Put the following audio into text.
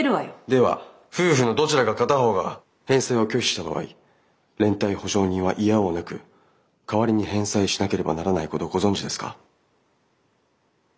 では夫婦のどちらか片方が返済を拒否した場合連帯保証人はいやおうなく代わりに返済しなければならないことをご存じですか？